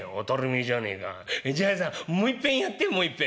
「じゃあさもういっぺんやってもういっぺん」。